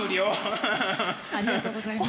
ありがとうございます。